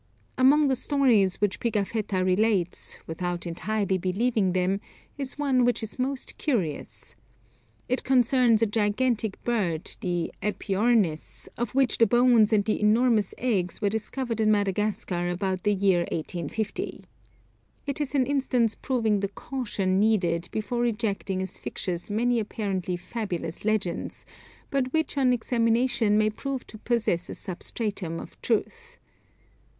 Among the stories which Pigafetta relates, without entirely believing them, is one which is most curious. It concerns a gigantic bird the Epyornis, of which the bones and the enormous eggs were discovered in Madagascar about the year 1850. It is an instance proving the caution needed before rejecting as fictitious many apparently fabulous legends, but which on examination may prove to possess a substratum of truth.